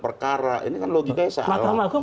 perkara ini kan logikanya salah mahkamah agung